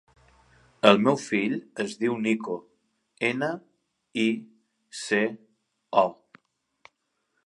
El meu fill es diu Nico: ena, i, ce, o.